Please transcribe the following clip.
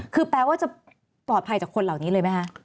คือแปลว่าจะปลอดภัยจากคนเหล่านี้เลยไหมคะ